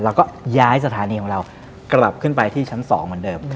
แล้วก็ย้ายสถานีของเรากลับขึ้นไปที่ชั้น๒เหมือนเดิม